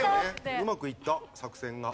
うまくいった作戦が。